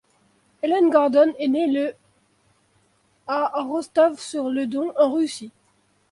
Hélène Gordon est née le à Rostov-sur-le-Don, en Russie.